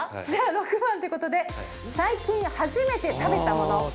じゃあ６番ということで、最近、初めて食べたもの。